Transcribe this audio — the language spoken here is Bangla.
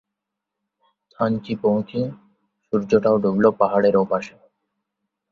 থানচি পৌছে সূর্যটাও ডুবল পাহাড়ের ওপাশে।